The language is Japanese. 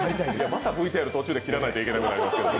またＶＴＲ途中で切らなきゃいけなくなる。